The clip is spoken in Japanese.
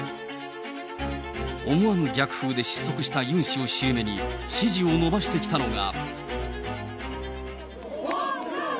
思わぬ逆風で失速したユン氏を尻目に支持を伸ばしてきたのが。